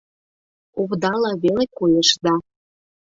Овдала веле коеш да…